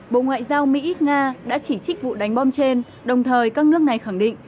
bộ ngoại giao mỹ nga đã chỉ trích vụ đánh bom trên đồng thời các nước này khẳng định